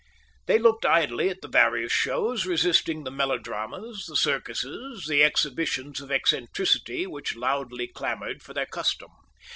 They looked idly at the various shows, resisting the melodramas, the circuses, the exhibitions of eccentricity, which loudly clamoured for their custom.